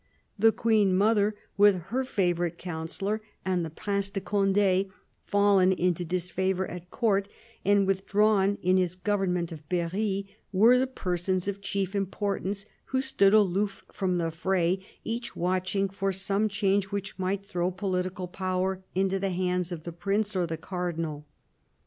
The Queen mother, with her favourite counsellor, and the Prince de Conde, fallen into disfavour at Court and with drawn in his government of Berry, were the persons of chief importance who stood aloof from the fray, each watching for some change which might throw political power into the hands of the Prince or the Cardinal.